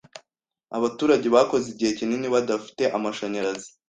Abaturage bakoze igihe kinini badafite amashanyarazi.